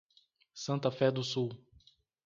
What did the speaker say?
Santa Fé do Sul